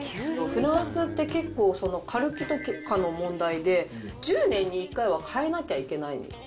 フランスって結構カルキとかの問題で、１０年に１回は替えなきゃいけないんです。